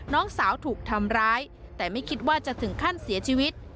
น้องสาวถูกทำร้ายแต่ไม่คิดว่าจะถึงขั้นเสียชีวิต